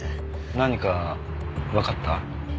何かわかった？